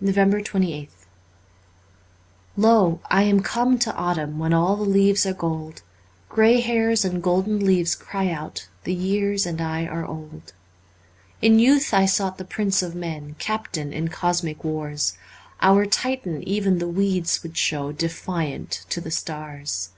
367 NOVEMBER 28th O ! I am come to autumn, When all the leaves are gold ; Grey hairs and golden leaves cry out The year and I are old. c In youth I sought the prince of men Captain in cosmic wars. Our Titan even the weeds would show Defiant, to the stars.